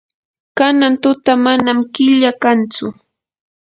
kanan tuta manam killa kantsu.